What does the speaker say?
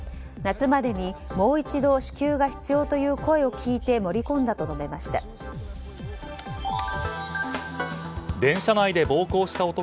夏までにもう一度支給が必要という声を聞いて盛り込んだと述べました。